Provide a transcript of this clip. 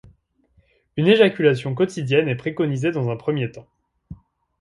Une éjaculation quotidienne est préconisée dans un premier temps.